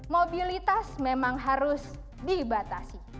mobilitas memang harus dibatasi